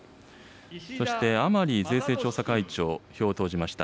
そして、甘利税制調査会長、票を投じました。